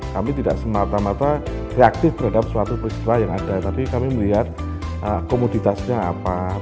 kami tidak semata mata reaktif terhadap suatu peristiwa yang ada tapi kami melihat komoditasnya apa